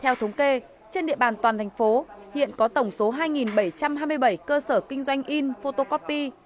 theo thống kê trên địa bàn toàn thành phố hiện có tổng số hai bảy trăm hai mươi bảy cơ sở kinh doanh in photocopy